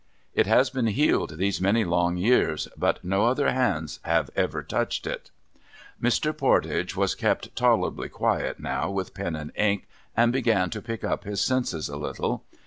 (It has been healed these many long years ; but, no other hands have ever touched it.) Mr. Pordage was kept tolerably quiet now, with pen and ink, and began to pick up his senses a little.